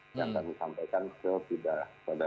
yang kami sampaikan kepada